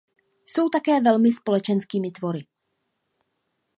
Jsou také velmi společenskými tvory.